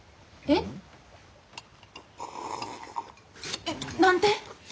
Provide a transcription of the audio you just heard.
えっ何で？